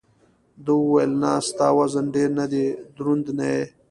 ده وویل: نه، ستا وزن ډېر نه دی، دروند نه یې.